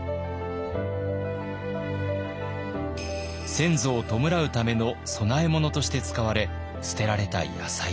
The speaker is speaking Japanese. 先祖を弔うための供え物として使われ捨てられた野菜です。